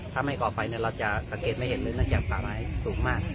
ถ้าไม่ก่อไปเนี่ยเราจะสังเกตไม่เห็นนึงจากอย่างป่าไม้สูงมาก